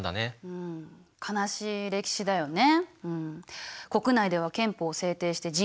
うん悲しい歴史だよね。